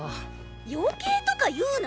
余計とか言うな！